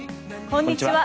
こんにちは。